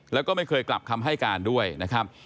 แล้วก็ไม่เคยกลับคำให้การด้วยนะครับ